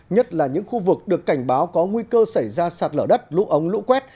nhất là những khu vực được cảnh báo có nguy cơ xảy ra sạt lở đất lũ ống lũ quét